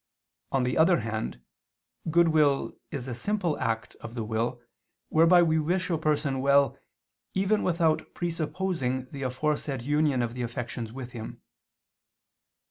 On the other hand, goodwill is a simple act of the will, whereby we wish a person well, even without presupposing the aforesaid union of the affections with him.